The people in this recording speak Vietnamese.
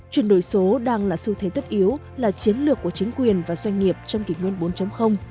chuyển đổi số đang là xu thế tất yếu là chiến lược của chính quyền và doanh nghiệp trong kỷ nguyên bốn